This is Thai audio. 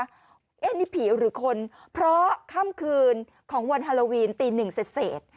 เป็นผีหรือคนเพราะค่ำคืนของวันฮาโลวีนตี๑เสด